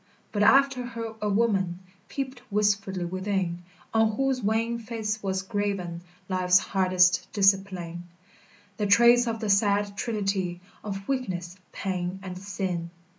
But after her a woman Peeped wistfully within, On whose wan face was graven Life's hardest discipline, The trace of the sad trinity Of weakness, pain, and sin.